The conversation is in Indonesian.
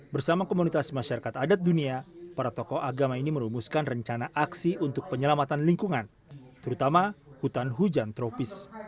bersama komunitas masyarakat adat dunia para tokoh agama ini merumuskan rencana aksi untuk penyelamatan lingkungan terutama hutan hujan tropis